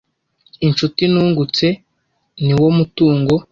inshuti nungutse niwo mutungo